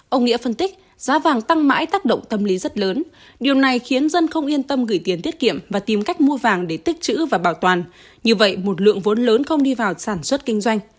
ông nghĩa phân tích giá vàng tăng mãi tác động tâm lý rất lớn điều này khiến dân không yên tâm gửi tiền tiết kiệm và tìm cách mua vàng để tích chữ và bảo toàn như vậy một lượng vốn lớn không đi vào sản xuất kinh doanh